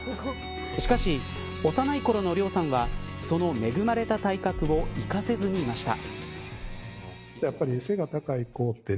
しかし幼いころの綾さんはその恵まれた体格を生かせずにいました。